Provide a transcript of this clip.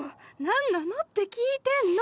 何なのって聞いてんの！